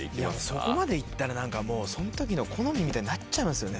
そこまで行ったらその時の好みみたいになっちゃいますよね。